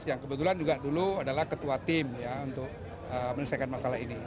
yang kebetulan juga dulu adalah ketua tim ya untuk menyelesaikan masalah ini